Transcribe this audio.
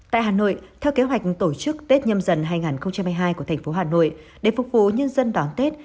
tại hà nội theo kế hoạch tổ chức tết nhâm dần hai nghìn hai mươi hai của thành phố hà nội để phục vụ nhân dân đón tết